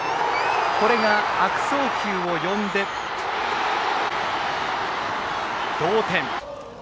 これが悪送球を呼んで同点。